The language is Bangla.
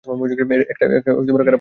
একটা খারাপ সংবাদ আছে।